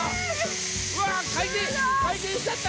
うわ回転回転しちゃった！